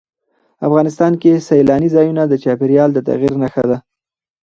افغانستان کې سیلاني ځایونه د چاپېریال د تغیر نښه ده.